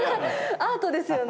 アートですよね。